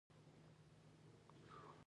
دا د جولای میاشتې یوولسمه ده.